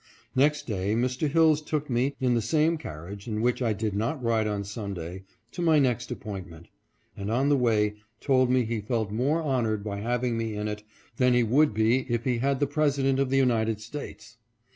Next day, Mr. Hilles took me, in the same carriage in which I did not ride on Sunday, to my next appointment, and on the way told me he felt more honored by having me in it than he would be if he had the President of the United States.